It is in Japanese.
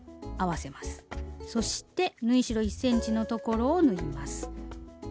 そして縫い代１ｃｍのところを縫います。